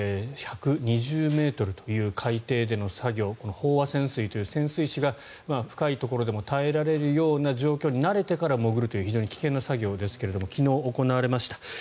１２０ｍという海底での作業飽和潜水という、潜水士が深いところでも耐えられるような状況に慣れてから潜るという非常に危険な作業ですが昨日、行われました。